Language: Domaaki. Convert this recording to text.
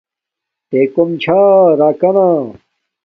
تے کوم چھا راکانا